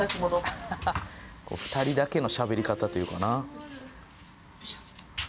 ２人だけのしゃべり方っていうかな。